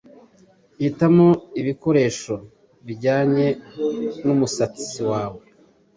Hitamo ibikoresho bijyanye n’umusatsi wawe